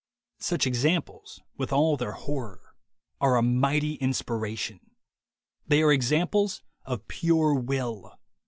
Such examples, with all their horror, are a mighty inspiration. They are examples of pure will.